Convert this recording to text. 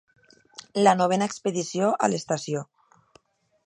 La novena expedició a l'estació.